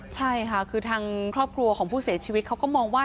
ใช่ค่ะคือทางครอบครัวของผู้เสียชีวิตเขาก็มองว่า